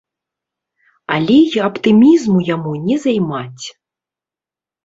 Але і аптымізму яму не займаць.